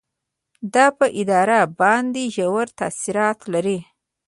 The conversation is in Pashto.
دا په اداره باندې ژور تاثیرات لري.